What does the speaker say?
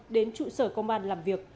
đến trụ sở công an làm việc